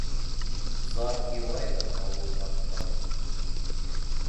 Зар илайҙыр ауыл карттары...